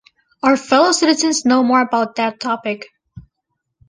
Our fellow citizens know more about that topic.